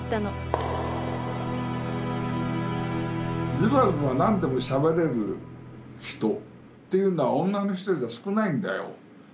ズバズバ何でもしゃべれる人というのは女の人では少ないんだよ。